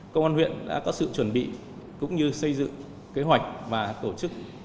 công an huyện đã có sự chuẩn bị cũng như xây dựng kế hoạch và tổ chức